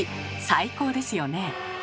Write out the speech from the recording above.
最高ですよね。